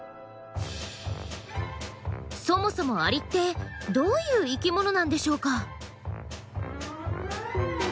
そもそもアリってどういう生きものなんでしょうか？